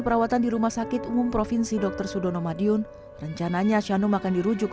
perawatan di rumah sakit umum provinsi dr sudono madiun rencananya shanom akan dirujuk